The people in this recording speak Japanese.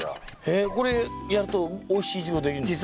えっこれやるとおいしいイチゴができるんですか？